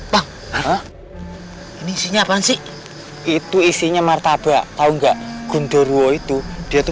bang ini isinya apaan sih itu isinya martabak tahu nggak gondorwo itu dia tuh